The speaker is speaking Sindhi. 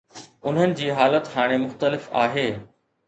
انهن جي حالت هاڻي مختلف آهي.